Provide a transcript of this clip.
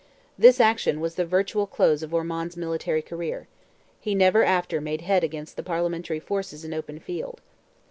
This action was the virtual close of Ormond's military career; he never after made head against the Parliamentary forces in open field.